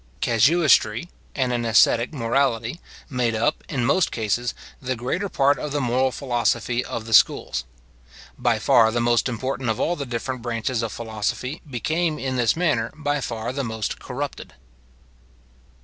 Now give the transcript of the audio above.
Casuistry, and an ascetic morality, made up, in most cases, the greater part of the moral philosophy of the schools. By far the most important of all the different branches of philosophy became in this manner by far the most corrupted.